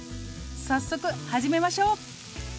「早速始めましょう」